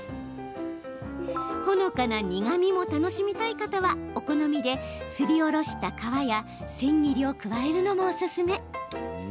ほのかな苦みも楽しみたい方はお好みで、すりおろした皮や千切りを加えるのもおすすめ。